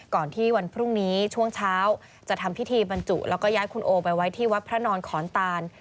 ก่อนที่วันพรุ่งนี้ช่วงเช้าจะทำพิธีบรรจุแล้วก็ย้ายคุณโอไปไว้ที่วัดพระนอนขอนตาน